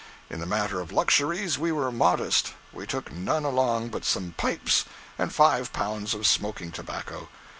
In the matter of luxuries we were modest—we took none along but some pipes and five pounds of smoking tobacco.